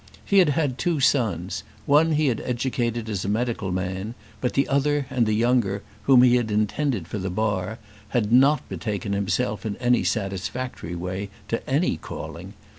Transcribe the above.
He had had two sons; one he had educated as a medical man, but the other, and the younger, whom he had intended for the Bar, had not betaken himself in any satisfactory way to any calling.